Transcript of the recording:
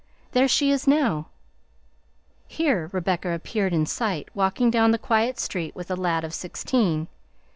There she is now." Here Rebecca appeared in sight, walking down the quiet street with a lad of sixteen.